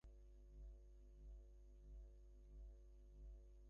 রামমোহন তাহাদিগের সর্দার হইয়া যাইবে।